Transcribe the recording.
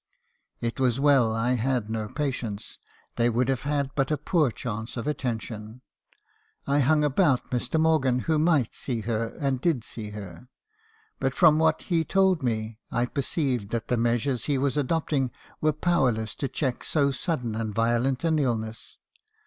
309 It was well I had no patients ; they would have had but a poor chance of attention. I hung about Mr. Morgan, who might see her, and did see her. But from what he told me, I per ceived that the measures he was adopting were powerless to check so sudden and violent an illness.